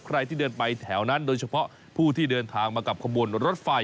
ใครที่เดินไปแถวนั้นโดยเฉพาะผู้ที่เดินทางมากับขบวนรถไฟ